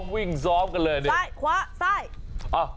วิ่งซ้อมกันเลยเนี่ยซ้ายขวาซ้าย